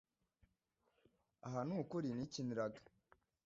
aha nukuri nikiniraga